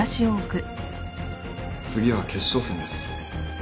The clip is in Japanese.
次は決勝戦です。